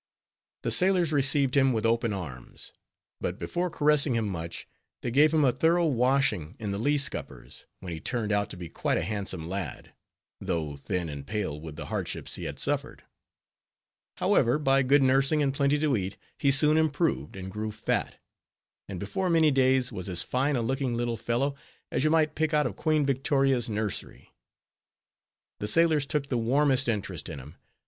The sailors received him with open arms; but before caressing him much, they gave him a thorough washing in the lee scuppers, when he turned out to be quite a handsome lad, though thin and pale with the hardships he had suffered. However, by good nursing and plenty to eat, he soon improved and grew fat; and before many days was as fine a looking little fellow, as you might pick out of Queen Victoria's nursery. The sailors took the warmest interest in him.